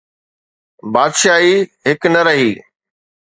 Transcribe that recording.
بادشاهي هڪ نه رهي.